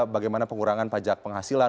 bagaimana pengurangan pajak penghasilan